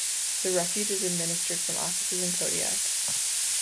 The refuge is administered from offices in Kodiak.